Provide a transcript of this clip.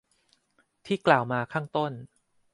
ที่กล่าวมาข้างต้น